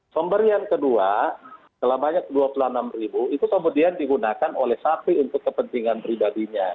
pemberian kedua selamanya rp dua puluh enam ribu itu kemudian digunakan oleh sapi untuk kepentingan pribadinya